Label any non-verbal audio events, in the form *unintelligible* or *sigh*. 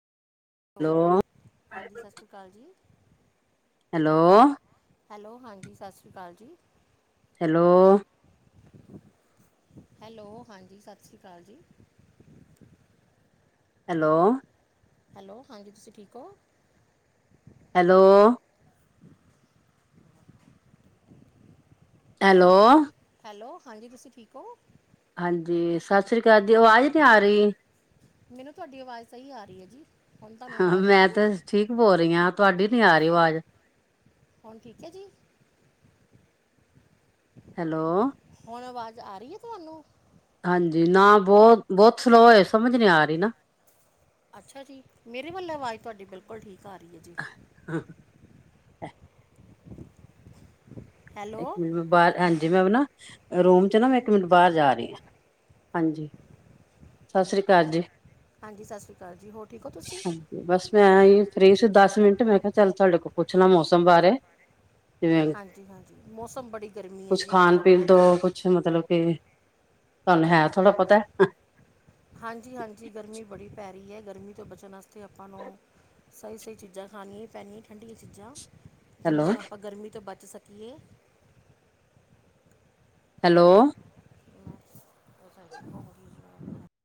Hello ਹਾਂਜੀ ਸਤਿ ਸ਼੍ਰੀ ਅਕਾਲ ਜੀ ਹੈਲੋ ਹੈਲੋ ਹਾਂਜੀ ਸਤਿ ਸ਼੍ਰੀ ਅਕਾਲ ਜੀ ਹੈਲੋ ਹੈਲੋ ਹਾਂਜੀ ਸਤਿ ਸ਼੍ਰੀ ਅਕਾਲ ਜੀ ਹੈਲੋ ਹੈਲੋ ਹਾਂਜੀ ਤੁਸੀਂ ਠੀਕ ਹੋ ਹੈਲੋ ਹੈਲੋ ਹੈਲੋ ਹਾਂਜੀ ਤੁਸੀਂ ਠੀਕ ਹੋ ਹਾਂਜੀ ਸਤਿ ਸ੍ਰੀ ਅਕਾਲ ਜੀ ਆਵਾਜ਼ ਨੀ ਆ ਰਹੀ ਮੈਨੂੰ ਤੁਹਾਡੀ ਆਵਾਜ਼ ਸਹੀ ਆ ਰਹੀ ਹੈ ਜੀ ਹੁਣ ਤੁਹਾਨੂੰ ਹਾਂ ਆਵਾਜ਼ ਆ ਮੈਂ ਰਹੀ ਤੇ ਹੈ ਠੀਕ ਬੋਲ ਰਹੀ ਹਾਂ ਤੁਹਾਡੀ ਨੀ ਆ ਰਹੀ ਆਵਾਜ਼ ਫੋਨ ਠੀਕ ਹੈ ਜੀ ਹੈਲੋ ਹੁਣ ਆਵਾਜ਼ ਆ ਰਹੀ ਹੈ ਤੁਹਾਨੂੰ ਹਾਂਜੀ ਨਾ ਬਹੁਤ ਬਹੁਤ ਸਲੋਅ ਹੈ ਸਮਝ ਨੀ ਆ ਰਹੀ ਨਾ ਅੱਛਾ ਜੀ ਮੇਰੇ ਵੱਲ ਆਵਾਜ਼ ਤੁਹਾਡੀ ਬਿਲਕੁਲ ਠੀਕ ਆ ਰਹੀ ਹੈ ਜੀ ਇੱਕ ਹੈਲੋ ਮਿੰਟ ਮੈਂ ਬਾਰ, ਹਾਂਜੀ ਮੈਂ ਨਾ ਰੂਮ ਚ ਨਾ ਮੈਂ ਇੱਕ ਮਿੰਟ ਬਾਰ ਜਾ ਰੀ ਆਂ। ਹਾਂਜੀ। ਸਤਿ ਸ਼੍ਰੀ ਅਕਾਲ ਜੀ। ਹਾਂਜੀ ਸਤਿ ਸ਼੍ਰੀ ਅਕਾਲ ਜੀ। ਹੋਰ ਠੀਕ ਓ ਤੁਸੀ? ਹਾਂਜੀ ਬਸ ਮੈਂ ਐਈ ਫ੍ਰਰੀ ਸੀ ਦਸ ਮਿੰਟ ਮੈਂ ਕੇਆ ਚੱਲ ਤੁਹਾਡੇ ਕੋਲ ਪੁੱਛ ਲਾਂ ਮੌਸਮ ਬਾਰੇ ਜਿਵੇਂ ਜੀ ਹਾਂਜੀ, ਮੌਸਮ ਬੜੀ ਗਰਮੀ ਹੈ ਕੁਛ ਜੀ ਅੱਜ ਖਾਣ ਤਾਂ ਪੀਣ ਬਹੁਤ ਤੋਂ ਜ਼ਿਆਦਾ ਕੁਛ ਮਤਲਬ ਕੇ ਤਾਨੂੰ ਹੈ ਥੋੜਾ ਪਤਾ ਐ। ਹਾਂਜੀ ਹਾਂਜੀ, ਗਰਮੀ ਬੜੀ ਪੈ ਰੀਏ। ਗਰਮੀ ਤੋਂ ਬਚਣ ਵਾਸ ਤੇ ਆਪਾਂ ਨੂੰ ਸਈ ਸਈ ਚੀਜਾਂ ਖਾਨੀਆਂ ਈ ਪੈਣੀਆਂ ਠੰਡੀਆਂ ਚੀਜਾਂ। ਜਿਂਦੇ ਹੈਲੋ ਨਾਲ ਆਪਾਂ ਗਰਮੀ ਤੋਂ ਬਚ ਸਕੀਏ। ਹੈਲੋ। *unintelligible*